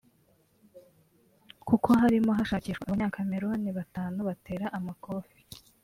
kuko harimo hashakishwa Abanyakameruni batanu batera amakofi